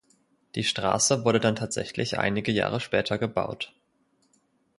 Die Straße wurde dann tatsächlich einige Jahre später gebaut.